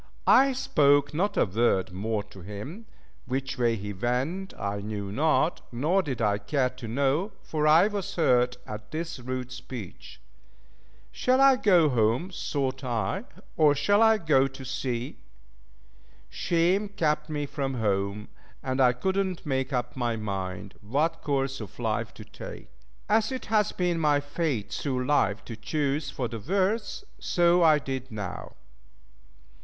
I spoke not a word more to him; which way he went I knew not, nor did I care to know, for I was hurt at this rude speech. Shall I go home thought I, or shall I go to sea? Shame kept me from home, and I could not make up my mind what course of life to take. As it has been my fate through life to choose for the worst, so I did now.